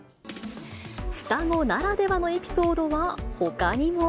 双子ならではのエピソードはほかにも。